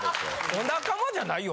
お仲間じゃないよ。